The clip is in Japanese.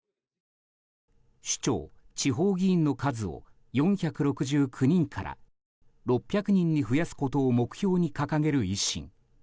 首長・地方議員の数を４６９人から６００人に増やすことを目標に掲げる維新。